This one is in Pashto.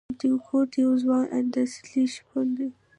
سانتیاګو یو ځوان اندلسي شپون دی.